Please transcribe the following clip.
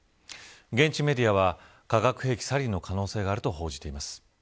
現地メディアは、化学兵器サリンの可能性があると報じています。